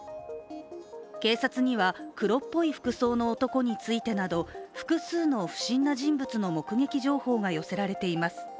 警察には黒っぽい服装の男についてなど複数の不審な人物の目撃情報が寄せられています。